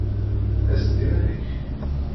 Ass-d iman-ik!